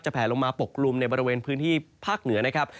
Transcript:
แผลลงมาปกกลุ่มในบริเวณพื้นที่ภาคเหนือนะครับ